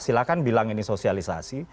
silahkan bilang ini sosialisasi